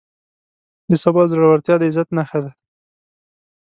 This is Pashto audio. د صبر زړورتیا د عزت نښه ده.